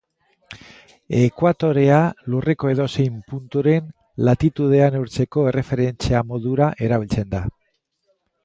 Ekuatorea lurreko edozein punturen Latitudea neurtzeko erreferentzia modura erabiltzen da.